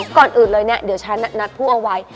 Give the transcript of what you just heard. ก่อนอื่นเลยเนี่ยเดี๋ยวฉันนัดผู้เอาไว้